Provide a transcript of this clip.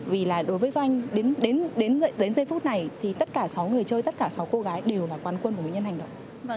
vì là đối với anh đến giây phút này thì tất cả sáu người chơi tất cả sáu cô gái đều là quán quân của bệnh nhân hành động